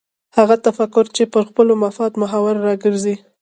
هغه تفکر چې پر خلکو مفاد محور راګرځي.